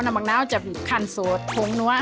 น้ำมักน้าวจะมีคันสูตรทงนั้ว